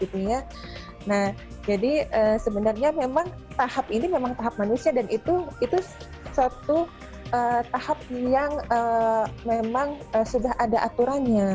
nah jadi sebenarnya memang tahap ini memang tahap manusia dan itu satu tahap yang memang sudah ada aturannya